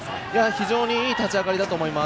非常にいい立ち上がりだと思います。